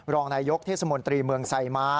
รองนายยกเทศมนตรีเมืองไซม้า